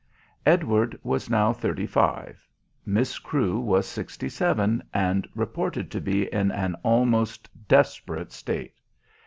Edward was now thirty five. Miss Crewe was sixty seven and reported to be in an almost desperate state.